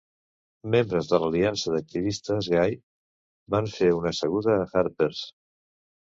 Membres de l'aliança d'activistes gay van fer una seguda a "Harper's".